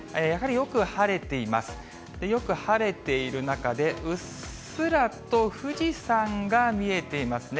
よく晴れている中で、うっすらと富士山が見えていますね。